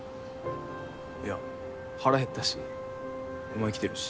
いや腹減ったしお前来てるし。